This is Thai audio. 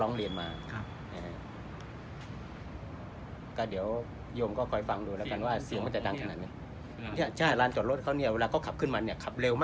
ลดระดับเสียงลงมาตั้งนานแล้วตั้งแต่ปีทีแล้ว